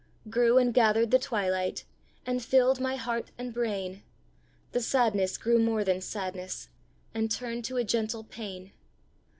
Grew and gathered the twilight, And filled my heart and brain; The sadness grew more than sadness, And turned to a gentle pain.